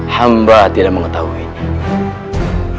hamba tidak mengetahuinya